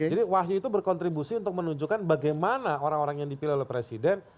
jadi wahyu itu berkontribusi untuk menunjukkan bagaimana orang orang yang dipilih oleh presiden